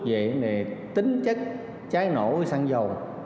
về tính chất cháy nổ sang dầu